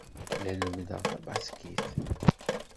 La lemmdeɣ tabaskit.